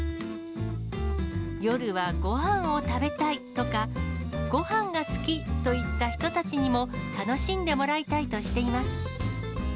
夜はごはんを食べたいとか、ごはんが好きといった人たちにも楽しんでもらいたいとしています。